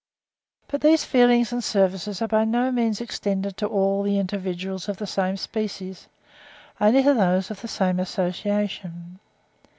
But these feelings and services are by no means extended to all the individuals of the same species, only to those of the same association.